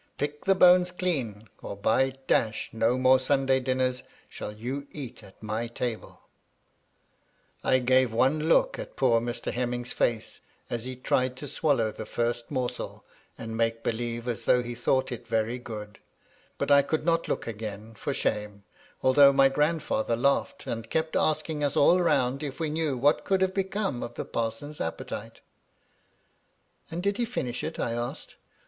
Pick the bones clean, or by , no more Sunday dinners shall you eat at my table 1' I gave one look at poor Mr. Hemming's face, as he tried to swallow the first morsel, and make believe as though he thought it very good ; but I could not look again, for shame, although my grandfather laughed, and kept asking us all roimd if we knew what could have become of the parson's appetite.^^ "And did he finish it?'' I asked.